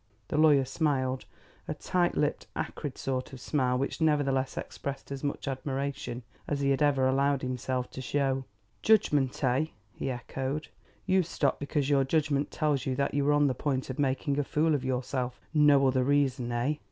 The lawyer smiled, a tight lipped, acrid sort of smile which nevertheless expressed as much admiration as he ever allowed himself to show. "Judgment, eh?" he echoed. "You stop because your judgment tells you that you were on the point of making a fool of yourself? No other reason, eh?"